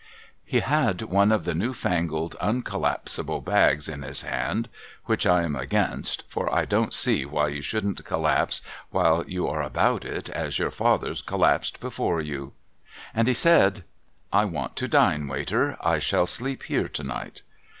He had one of the new fangled uncollapsable bags in his hand (which I am against, for I don't see why you shouldn't collapse, while you are about it, as your fathers collapsed before you), and he said :' I want to dine, waiter. I shall sleep here to night.'